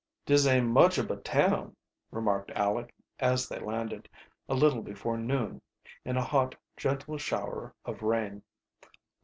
"Dis aint much ob a town," remarked Aleck, as they landed, a little before noon, in a hot, gentle shower of rain.